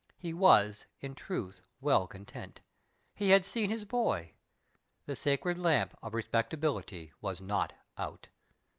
He was, in truth, well content. He had seen his boy. The sacred lamp of respecta bility was not out.